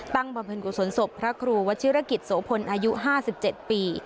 ตั้งมาเป็นกุศลศพพระครูวัดชิรกิจโสพลอายุห้าสิบเจ็ดปี